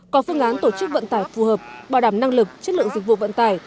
có phương án tổ chức vận tải phù hợp bảo đảm năng lực chất lượng dịch vụ vận tải